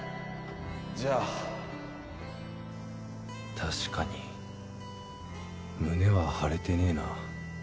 じゃあ確かに胸は張れてねえなぁ